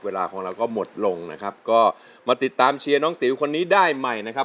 เวลาของเราก็หมดลงนะครับก็มาติดตามเชียร์น้องติ๋วคนนี้ได้ใหม่นะครับ